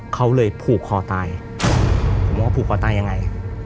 เขาเลยผูกคอตายผมว่าผูกคอตายยังไง